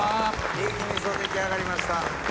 リーキ味噌出来上がりました。